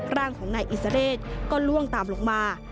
ร่างของนายอิสเรศก็ล่วงตามลงมา